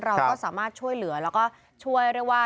เราก็สามารถช่วยเหลือแล้วก็ช่วยเรียกว่า